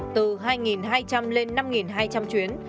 từ hai hai trăm linh lên năm hai trăm linh chuyến